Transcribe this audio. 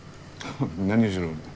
何しろ